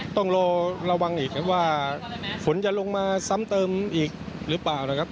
ต้องระวังว่าฝุ่นจะลงมาซ้ำเติมอีกหรือเปล่านะครับ